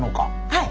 はい。